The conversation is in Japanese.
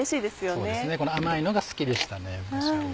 そうですねこの甘いのが好きでしたね